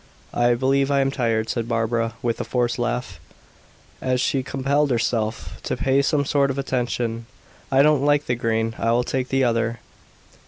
"I believe I am tired," said Barbara, with a forced laugh, as she compelled herself to pay some sort of attention. "I don't like the green; I will take the other."